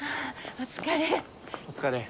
お疲れ。